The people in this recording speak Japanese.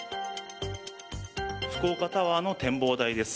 福岡タワーの展望台です。